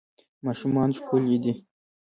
ماشومان ښکلي دي